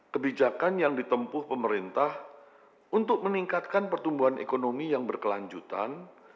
kebijakan yang ditempuh pemerintah untuk meningkatkan pertumbuhan ekonomi yang berkelanjutan